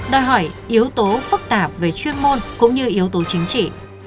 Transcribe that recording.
đòi hỏi yếu tố phức tạp về chuyên môn cũng như yếu tố chính trị